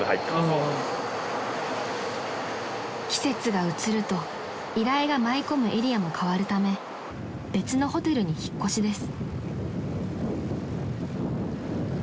［季節が移ると依頼が舞い込むエリアも変わるため別のホテルに引っ越しです］